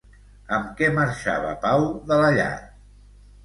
Amb què marxava Pau de la llar?